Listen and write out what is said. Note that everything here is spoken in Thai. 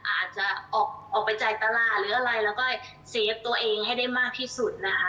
อาจจะออกไปจ่ายตลาดหรืออะไรแล้วก็เซฟตัวเองให้ได้มากที่สุดนะคะ